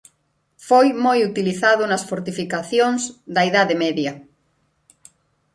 Foi moi utilizado nas fortificacións da Idade Media.